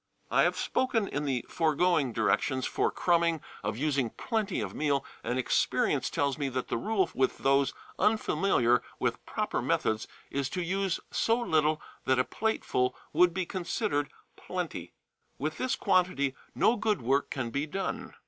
I have spoken in the foregoing directions for "crumbing" of using plenty of meal, and experience tells me that the rule with those unfamiliar with proper methods is to use so little that a plateful would be considered plenty. With this quantity no good work can be done.